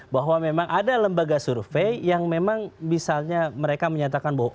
bahwa memang ada lembaga survei yang memang misalnya mereka menyatakan bahwa